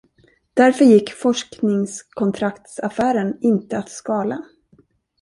Därför gick forskningskontraktsaffären inte att skala.